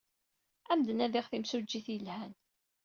Ad am-d-nadiɣ timsujjit yelhan.